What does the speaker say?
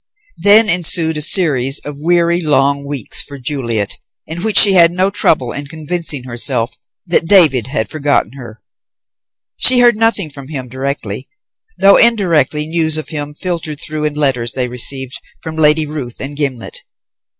Then ensued a series of weary long weeks for Juliet, in which she had no trouble in convincing herself that David had forgotten her. She heard nothing from him directly, though indirectly news of him filtered through in letters they received from Lady Ruth and Gimblet.